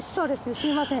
すいません。